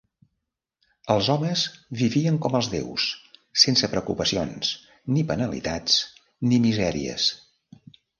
Els homes vivien com els déus, sense preocupacions ni penalitats ni misèries.